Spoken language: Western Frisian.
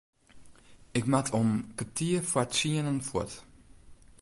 Ik moat om kertier foar tsienen fuort.